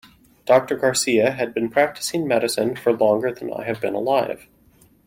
Doctor Garcia has been practicing medicine for longer than I have been alive.